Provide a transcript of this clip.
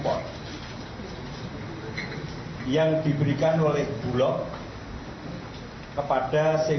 pemberian kepada ig